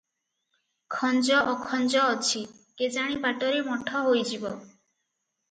ଖଂଜ ଅଖଂଜ ଅଛି, କେଜାଣି ବାଟରେ ମଠ ହୋଇଯିବ ।